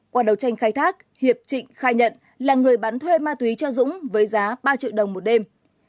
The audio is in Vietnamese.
qua đầu tranh khai thác hiệp trịnh khai nhận là người bán thuê ma túy cho dũng với giá ba triệu đồng một đêm